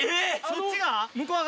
そっちが？